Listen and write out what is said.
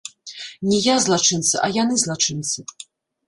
Не я злачынца, а яны злачынцы.